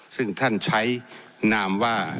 ซึ่งท่านใช้นามว่า